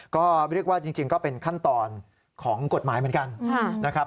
ก็เรียกว่าจริงก็เป็นขั้นตอนของกฎหมายเหมือนกันนะครับ